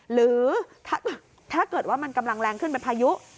หรือถ้าเกิดว่ามันกำลังแรงขึ้นเป็นพายุ